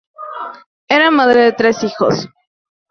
Era madre de tres hijos.